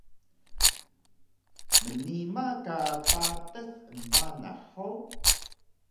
Nnima ka patas embanah hug?